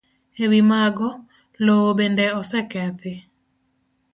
E wi mago, lowo bende osekethi.